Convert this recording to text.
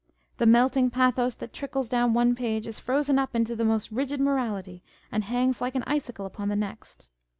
The melting pathos that trickles down one page is frozen up into the most rigid morality, and hangs like an icicle upon the next.